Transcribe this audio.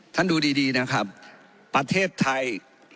ดูดีนะครับประเทศไทย